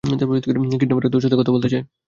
Kidnapper তোর সাথে কথা বলতে চায়।